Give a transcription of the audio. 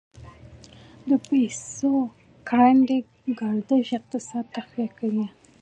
د پیسو ګړندی گردش اقتصاد تقویه کوي.